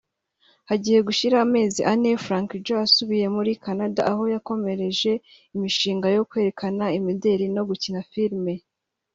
Hagiye gushira amezi ane Frankie Joe asubiye muri Canada aho yakomereje imishinga yo kwerekana imideli no gukina film